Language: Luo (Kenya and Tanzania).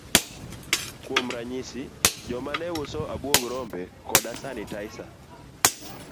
Kuom ranyisi, joma ne uso abuog rombe koda sanitaisa.